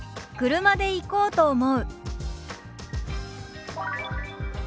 「車で行こうと思う」。